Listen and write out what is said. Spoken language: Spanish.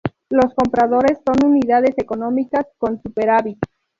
Los compradores son unidades económicas con superávit.